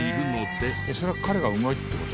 それは彼がうまいって事？